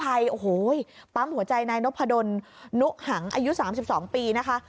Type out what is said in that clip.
ผู้ภัยโอ้โหปั้มหัวใจนายนพดลนุหังอายุสามสิบสองปีนะคะ